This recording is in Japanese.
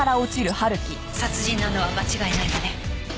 殺人なのは間違いないわね。